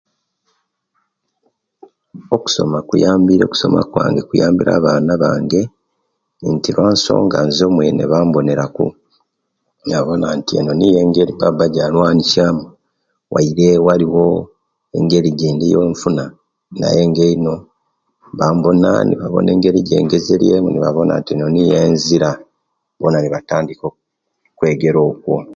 Okusoma kuyambire okusoma kwange kuyambire abana bange nti kusonga nze omwene bamboneraku nebawona nti eno niyo engeri baba jalwanisya mu wayide waliwo engeri egendi eyenfuna naye eino bambona nebabona engeri ejengezeriemu nebabona nti eno niyo enzira bona nebatandika okwegera okwo